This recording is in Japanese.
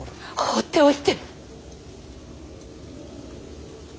放っておいて！